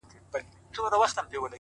• را ستنیږي به د وینو سېل وهلي,